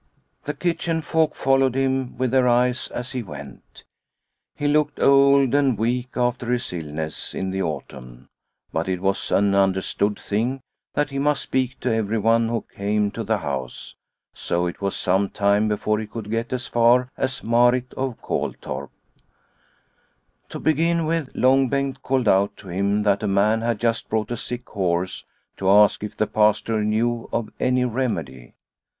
The kitchen folk followed him with their G 81 8a Liliecrona's Home eyes as he went. He looked old and weak after his illness in the autumn, but it was an under stood thing that he must speak to everyone who came to the house, so it was some time before he could get as far as Marit of Koltorp. To begin with, Long Bengt called out to him that a man had just brought a sick horse to ask if the Pastor knew of any remedy.